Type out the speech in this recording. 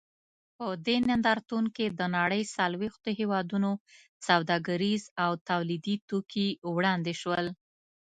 په دې نندارتون کې د نړۍ څلوېښتو هېوادونو سوداګریز او تولیدي توکي وړاندې شول.